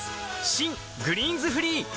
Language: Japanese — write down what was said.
新「グリーンズフリー」